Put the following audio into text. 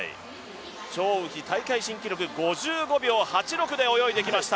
張雨霏、大会新記録５５秒８６で泳いできました。